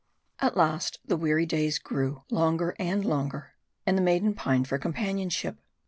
At last the weary days grew longer and longer, and the maiden pined for companionship.